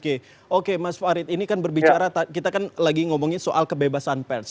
oke oke mas farid ini kan berbicara kita kan lagi ngomongin soal kebebasan pers